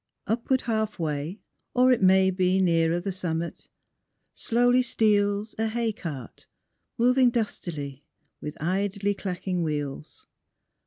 Upward half way, or it may be Nearer the summit, slowly steals A hay cart, moving dustily With idly clacking wheels.